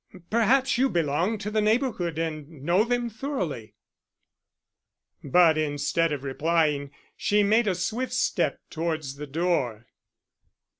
Perhaps you belong to the neighbourhood and know them thoroughly." But instead of replying she made a swift step towards the door.